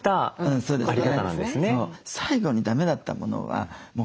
そうですか。